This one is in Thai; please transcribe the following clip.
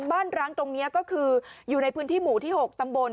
ร้างตรงนี้ก็คืออยู่ในพื้นที่หมู่ที่๖ตำบล